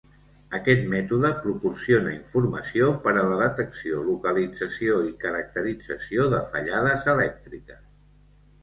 Aquest mètode proporciona informació per a la detecció, localització i caracterització de fallades elèctriques.